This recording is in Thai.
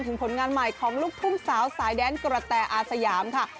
ผลงานใหม่ของลูกทุ่งสาวสายแดนกระแตอาสยามค่ะ